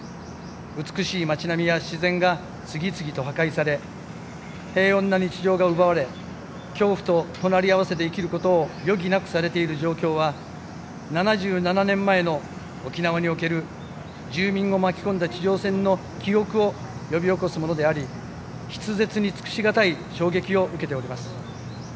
美しい街並みや自然が次々と破壊され平穏な日常が奪われ恐怖と隣り合わせで生きることを余儀なくされている状況は７７年前の沖縄における住民を巻き込んだ地上戦の記憶を呼び起こすものであり筆舌に尽くし難い衝撃を受けております。